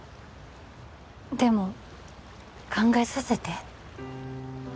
でも考えさせて